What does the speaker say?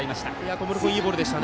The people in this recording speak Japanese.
小室君いいボールでした。